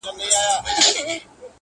پر هغې ورځي لعنت سمه ویلای -